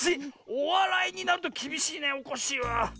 おわらいになるときびしいねおこっしぃは。